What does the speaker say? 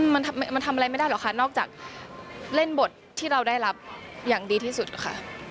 มันทำอะไรไม่ได้หรอกค่ะนอกจากเล่นบทที่เราได้รับอย่างดีที่สุดค่ะ